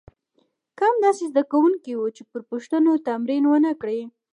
کم داسې زده کوونکي وو چې پر پوښتنو تمرین ونه کړي.